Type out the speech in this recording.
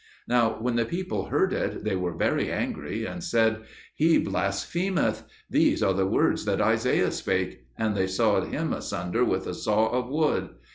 Now when the people heard it they were very angry and said, "He blasphemeth. These are the words that Isaiah spake, and they sawed him asunder with a saw of wood.